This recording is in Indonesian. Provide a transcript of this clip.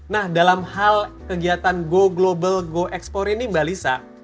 nah dalam hal kegiatan go global go explore ini mbak lisa